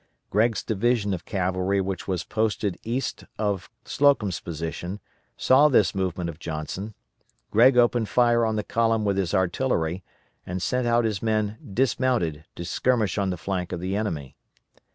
Gregg's division of cavalry which was posted east of Slocum's position saw this movement of Johnson. Gregg opened fire on the column with his artillery and sent out his men dismounted to skirmish on the flank of the enemy.